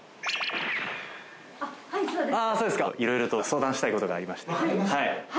色々と相談したいことがありまして。